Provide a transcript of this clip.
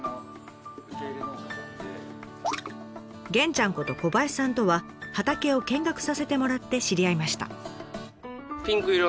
元ちゃんこと小林さんとは畑を見学させてもらって知り合いました。